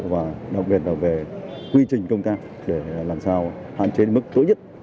và đặc biệt là về quy trình công tác để làm sao hạn chế mức tối nhất